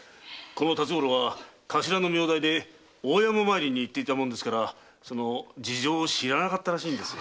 辰五郎は頭の名代で大山参りに行っていたもんですからその事情を知らなかったらしいんですよ。